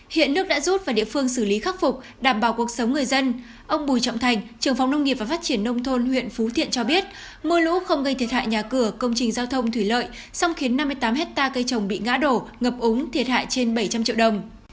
hiện nước đã rút và địa phương xử lý khắc phục đảm bảo cuộc sống người dân ông bùi trọng thành trưởng phòng nông nghiệp và phát triển nông thôn huyện phú thiện cho biết mưa lũ không gây thiệt hại nhà cửa công trình giao thông thủy lợi song khiến năm mươi tám hectare cây trồng bị ngã đổ ngập úng thiệt hại trên bảy trăm linh triệu đồng